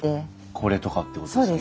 これとかってことですよね。